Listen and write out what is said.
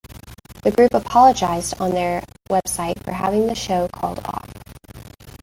The group apologized on their website for having the show called off.